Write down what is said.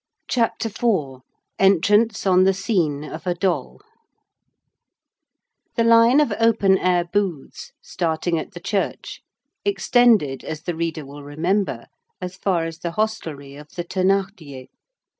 CHAPTER IV—ENTRANCE ON THE SCENE OF A DOLL The line of open air booths starting at the church, extended, as the reader will remember, as far as the hostelry of the Thénardiers.